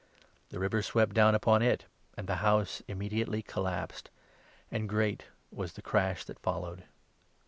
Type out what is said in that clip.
The river swept down upon it, and the house immediately collapsed ; and great was the crash that followed."